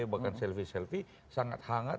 bahkan selfie selfie sangat hangat